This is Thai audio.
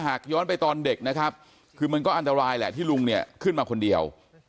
หากย้อนไปตอนเด็กนะครับคือมันก็อันตรายแหละที่ลุงเนี่ยขึ้นมาคนเดียว